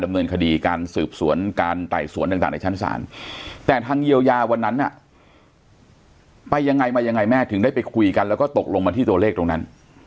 เนี้ยไปยังไงไปยังไงแม่ถึงได้ไปคุยกันแล้วก็ตกลงมาที่ตัวเลขตรงนั้น